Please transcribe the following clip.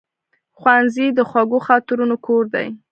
ښوونځی د خوږو خاطرونو کور دی